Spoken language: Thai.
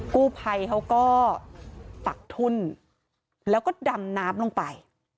กู้ภัยเขาก็ปักทุ่นแล้วก็ดำน้ำลงไป